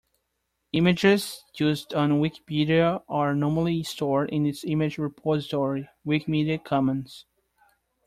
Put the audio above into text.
Images used on Wikipedia are normally stored in its image repository, Wikimedia Commons